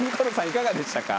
いかがでしたか？